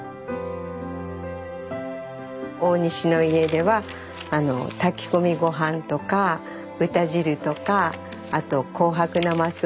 大西の家では炊き込み御飯とか豚汁とかあと紅白なますをね